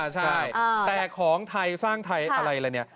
ใช่แต่ของไทยสร้างไทยอะไรอะไรเนี่ย